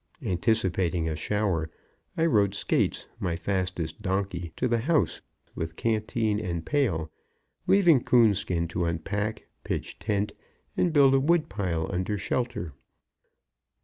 Anticipating a shower, I rode Skates, my fastest donkey, to the house with canteen and pail, leaving Coonskin to unpack, pitch tent, and build a wood pile under shelter.